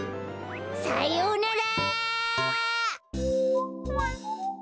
さようなら！